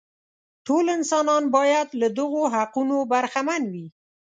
ټول انسانان باید له دغو حقونو برخمن وي.